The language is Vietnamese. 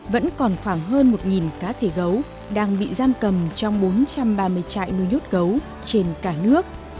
vẫn còn khoảng hơn một cá thể gấu đang bị giam cầm trong bốn trăm ba mươi trại nuôi nhốt gấu trên cả nước